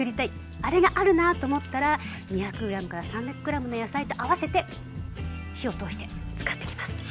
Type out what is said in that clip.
あれがあるなと思ったら２００ｇから３００ｇの野菜と合わせて火を通して使っていきます。